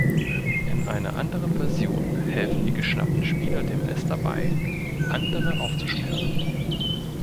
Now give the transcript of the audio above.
In einer anderen Version helfen die geschnappten Spieler dem „Es“ dabei, andere aufzuspüren.